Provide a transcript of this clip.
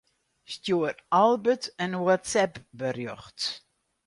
Stjoer Albert in WhatsApp-berjocht.